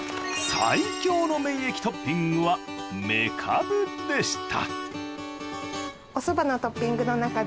最強の免疫トッピングはメカブでした